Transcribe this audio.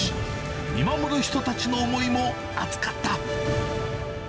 見守る人たちの思いも熱かった。